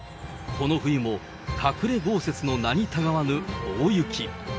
この冬も、隠れ豪雪の名にたがわぬ大雪。